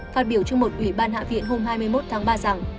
phát biểu trong một ủy ban hạ viện hôm hai mươi một tháng ba rằng